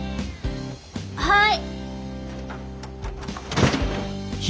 はい。